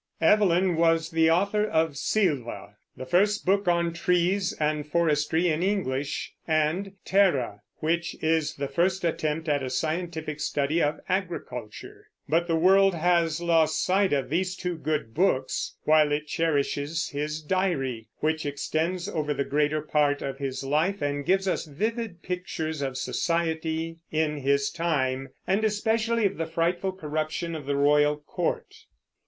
Evelyn was the author of Sylva, the first book on trees and forestry in English, and Terra, which is the first attempt at a scientific study of agriculture; but the world has lost sight of these two good books, while it cherishes his diary, which extends over the greater part of his life and gives us vivid pictures of society in his time, and especially of the frightful corruption of the royal court.